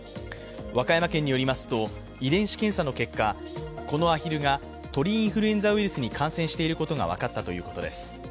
和歌山県によりますと遺伝子検査の結果、このアヒルが鳥インフルエンザウイルスに感染していることが分かったということです。